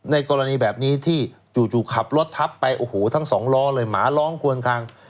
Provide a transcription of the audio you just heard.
ในกรณีแบบนี้ที่จู่ขับรถทับไปโอ้โหทั้งสองล้อเลยหมาร้องควนคลัง